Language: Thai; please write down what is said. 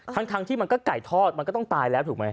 ทั้งที่มันก็ไก่ทอดมันก็ต้องตายแล้วถูกไหม